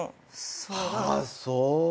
ああそう。